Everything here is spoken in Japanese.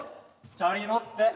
チャリ乗って。